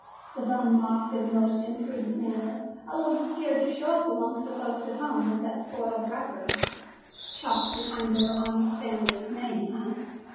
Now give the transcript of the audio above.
the bum mocked in a most impudent manner, "a little scared to show up amongst the folks at home with that soiled record chalked behind their honest family name, eh?"